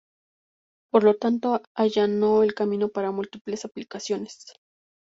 Por lo tanto, allanó el camino para múltiples aplicaciones.